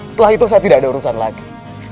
setelah itu saya tidak ada urusan lagi